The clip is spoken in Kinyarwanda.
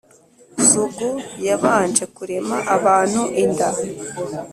sugu yabanje kurema abantu inda.